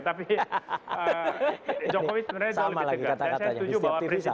tapi jokowi sebenarnya lebih tegas